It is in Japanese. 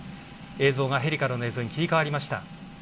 映像がヘリからの映像に切り替わりました。